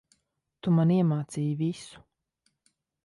Tu, man iemācīji visu.